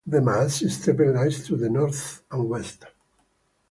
The Maasai Steppe lies to the north and west.